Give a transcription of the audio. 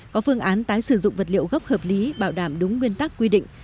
có phương án tái sử dụng vật liệu gốc hợp lý bảo đảm đúng nguyên tắc quy định